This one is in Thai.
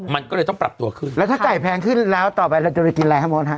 มันก็เลยต้องปรับตัวขึ้นแล้วถ้าไก่แพงขึ้นแล้วต่อไปเราจะไปกินอะไรครับมดฮะ